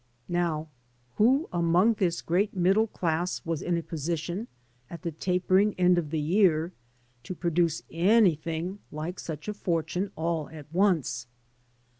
Now, who among this great middle class was in a position, at the tapering end of the year, to produce anything like such a fortune all at once?